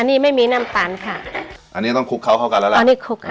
อันนี้ไม่มีน้ำตาลค่ะอันนี้ต้องคลุกเขาเข้ากันแล้วแหละอ๋อนี่คลุกค่ะอ่า